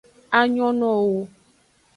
A nyonowo wu.